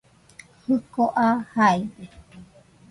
Jiko aa jaide